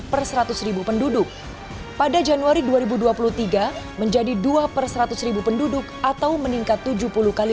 per seratus ribu penduduk pada januari dua ribu dua puluh tiga menjadi dua per seratus ribu penduduk atau meningkat tujuh puluh kali